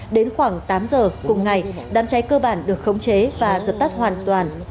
đến khoảng tám giờ cùng ngày đám cháy cơ bản được khống chế và dập tắt hoàn toàn